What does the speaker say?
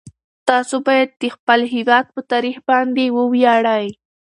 تاسو باید د خپل هیواد په تاریخ باندې وویاړئ.